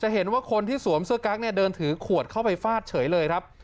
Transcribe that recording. เห็นว่าคนที่สวมเสื้อกั๊กเนี่ยเดินถือขวดเข้าไปฟาดเฉยเลยครับ